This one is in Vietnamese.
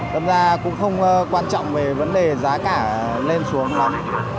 thế nên cũng không quan trọng về vấn đề giá cả lên xuống lắm